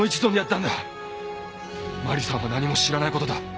マリさんは何も知らないことだ。